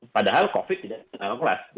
padahal covid tidak dikenal kelas